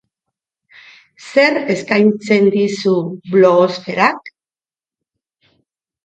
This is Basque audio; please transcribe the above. Zer eskaintzen dizu blogosferak?